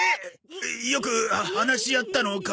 よく話し合ったのか？